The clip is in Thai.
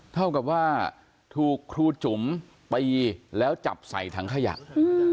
เท่ากับว่าถูกครูจุ๋มตีแล้วจับใส่ถังขยะ